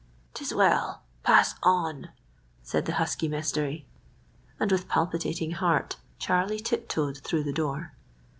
"'Tis well. Pass on," said the husky mystery. And with palpitating heart Charlie tiptoed through the door.